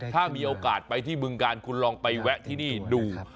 ถ้ามีโอกาสไปที่บึงกาลคุณลองไปแวะที่นี่ดู